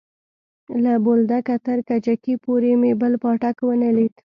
له بولدکه تر کجکي پورې مې بل پاټک ونه ليد.